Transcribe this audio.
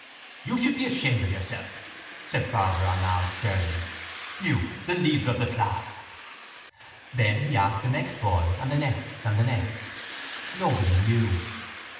—You should be ashamed of yourself, said Father Arnall sternly. You, the leader of the class! Then he asked the next boy and the next and the next. Nobody knew.